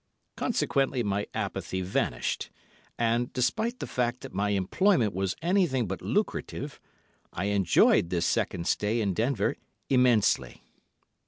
Consequently my apathy vanished, and, despite the fact that my employment was anything but lucrative, I enjoyed this second stay in Denver immensely.